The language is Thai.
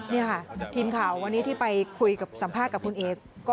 นี่ค่ะทีมข่าววันนี้ที่ไปคุยกับสัมภาษณ์กับคุณเอก